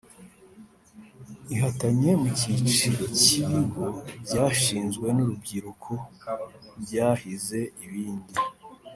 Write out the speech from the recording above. Ihatanye mu cyiciro cy’ibigo byashinzwe n’urubyiruko byahize ibindi